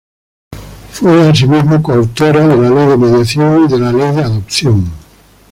Fue asimismo coautora de la ley de mediación y de la ley de adopción.